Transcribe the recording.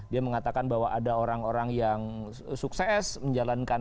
dia mengatakan bahwa ada orang orang yang sukses menjalankan